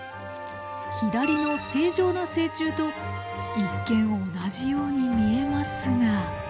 左の正常な成虫と一見同じように見えますが。